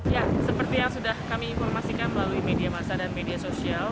ya seperti yang sudah kami informasikan melalui media masa dan media sosial